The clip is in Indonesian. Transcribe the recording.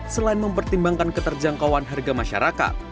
selain mempertimbangkan keterjangkauan harga masyarakat